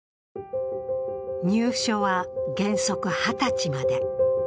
入所は原則２０歳まで。